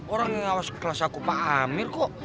orang yang awas kelas aku pamir kok